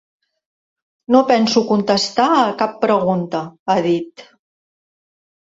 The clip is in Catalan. No penso contestar a cap pregunta, ha dit.